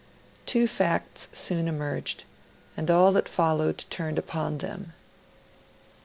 Two facts soon emerged, and all that followed turned upon them.